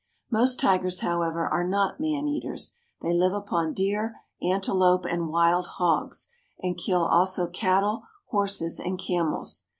Most tigers, however, are not man eaters. They live upon deer, antelope, and wild hogs, and kill also cattle, horses, and camels.